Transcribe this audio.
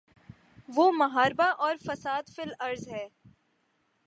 وہ محاربہ اور فساد فی الارض ہے۔